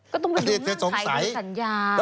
ก็ต้องไปดูเงื่อนไขแล้วสัญญา